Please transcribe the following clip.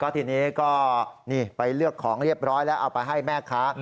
ทีนี้ก็นี่ไปเลือกของเรียบร้อยแล้วเอาไปให้แม่ค้า